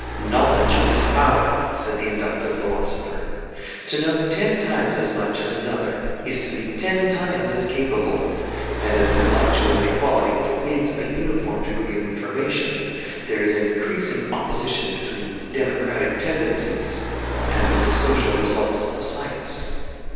"Knowledge is power," said the inductive philosopher. To know ten times as much as another is to be ten times as capable; and as intellectual inequality forbids a uniform degree of information, there is increasing opposition between democratic tendencies and the social results of science.